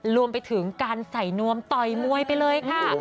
รวมไปถึงการใส่นวมต่อยมวยไปเลยค่ะ